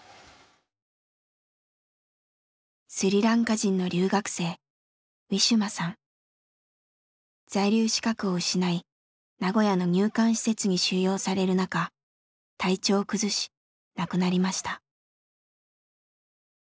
スリランカ人の留学生在留資格を失い名古屋の入管施設に収容される中体調を崩し亡くなりました。